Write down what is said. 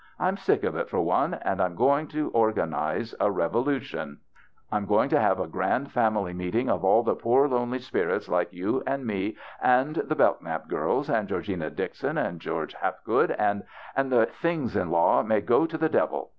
I'm sick of it for one, and I'm going to organize a revolution. THE BACHELOR'S CHRISTMAS 35 I'm going to have a grand family meeting of all the poor lonely spirits like you and me and the Bellknap girls and Georgiana Dixon and George Hapgood, and— and the things in law may go to the devil.